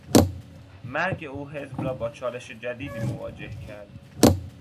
مرگ او حزب را با چالش جدیدی مواجه کرد.